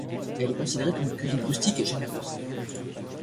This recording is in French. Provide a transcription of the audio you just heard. Elle est considérée comme une cuisine rustique et généreuse.